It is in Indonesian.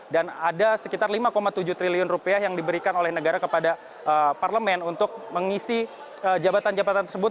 dan ada sekitar lima tujuh triliun rupiah yang diberikan oleh negara kepada parlemen untuk mengisi jabatan jabatan tersebut